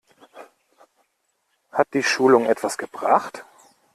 Hat die Schulung etwas gebracht?